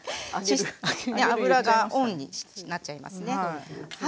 油が多いになっちゃいますね。